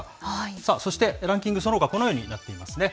さあ、そしてランキング、そのほか、このようになっていますね。